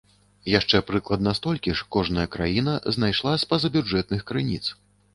Яшчэ прыкладна столькі ж кожная краіна знайшла з пазабюджэтных крыніц.